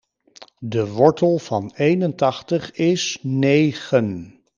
De wortel van eenentachtig is negen.